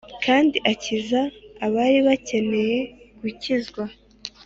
kandi akiza abari bakeneye gukizwa.